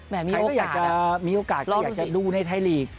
แม้มีโอกาสนะลองดูสิใครก็อยากจะมีโอกาสใครอยากจะดูในไทยลีก